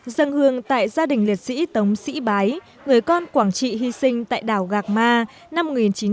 dâng hương tại gia đình liệt sĩ tống sĩ bái người con quảng trị hy sinh tại đảo gạc ma năm một nghìn chín trăm tám mươi tám